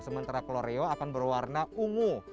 sementara kloreo akan berwarna ungu